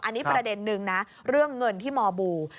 อันนี้ประเด็นนึงนะเรื่องเงินที่มบู